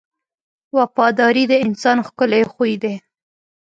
• وفاداري د انسان ښکلی خوی دی.